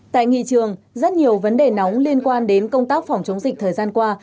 tại nghị trường rất nhiều vấn đề nóng liên quan đến công tác phòng chống dịch thời gian qua